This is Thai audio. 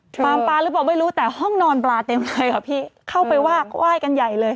ฟาร์มปลาหรือเปล่าไม่รู้แต่ห้องนอนปลาเต็มเลยค่ะพี่เข้าไปว่าไหว้กันใหญ่เลย